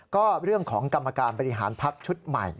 ก็เรื่องของกรรมการบริหารพักชุดใหม่